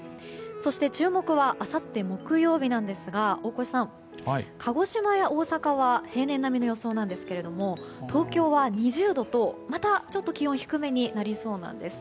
そして、注目はあさって、木曜日なんですが大越さん、鹿児島や大阪は平年並みの予想なんですが東京は２０度と、またちょっと気温低めになりそうなんです。